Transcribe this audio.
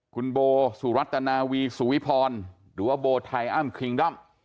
คุณโบสุรัตนาวีสุวิพรหรือว่าโบไทยอ้ำคิงด้อม